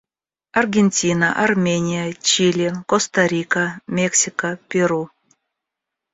Аргентина, Армения, Чили, Коста-Рика, Мексика, Перу.